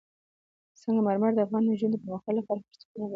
سنگ مرمر د افغان نجونو د پرمختګ لپاره فرصتونه برابروي.